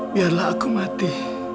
biarlah aku mati